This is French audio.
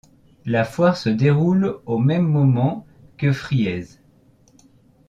La foire se déroule au même moment que Frieze.